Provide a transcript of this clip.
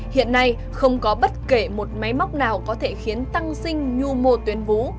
hiện nay không có bất kể một máy móc nào có thể khiến tăng sinh nhu mô tuyến vú